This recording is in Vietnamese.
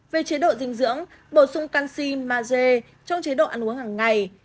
về chế độ dinh dưỡng bổ sung canxi maze trong chế độ ăn uống hằng ngày